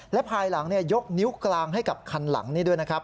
และภายหลังยกนิ้วกลางให้กับคันหลังนี้ด้วยนะครับ